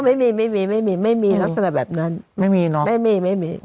ไม่มีไม่มีไม่มีลักษณะแบบนั้นไม่มีเนอะไม่มีไม่มี